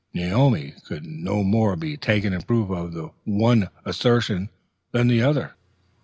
Naomi could no more be taken in proof of the one assertion than of the other.